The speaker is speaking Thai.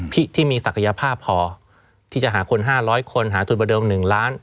ที่มีศักยภาพพอที่จะหาคน๕๐๐คนหาทุนประเดิม๑ล้าน